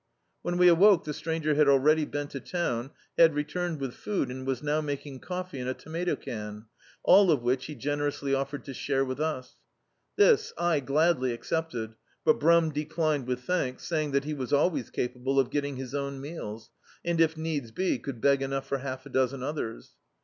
When we awoke the stranger had already been to town, had returned with food, and was now making coffee in a tomato can, all of which he generously offered to share with us. This I gladly accepted, but Brum declined with thanks, saying diat he was always capable of getting his own meals, and if needs be, could beg enough for half a dozen others.